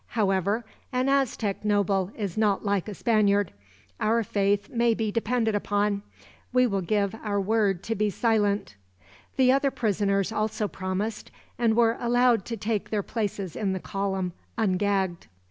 However, an Aztec noble is not like a Spaniard. Our faith may be depended upon. We will give our word to be silent." The other prisoners also promised, and were allowed to take their places in the column, ungagged.